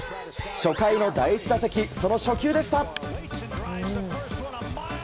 初回の第１打席その初球でした。